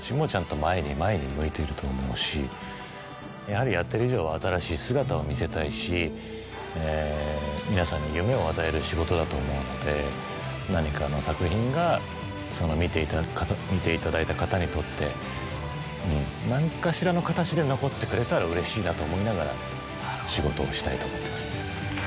やはりやってる以上は新しい姿を見せたいし皆さんに夢を与える仕事だと思うので何かの作品が見ていただいた方にとって何かしらの形で残ってくれたらうれしいなと思いながら仕事をしたいと思ってます。